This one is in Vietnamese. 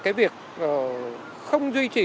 cái việc không duy trì